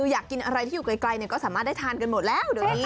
อยากกินอะไรที่อยู่ไกลก็สามารถได้ทานกันหมดแล้วเดี๋ยวนี้